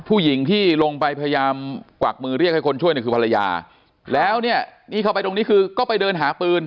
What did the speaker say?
ผู้หญิงที่ลงไปพยายามกวักมือเรียกให้คนช่วยเนี่ยคือภรรยาแล้วเนี่ยนี่เข้าไปตรงนี้คือก็ไปเดินหาปืน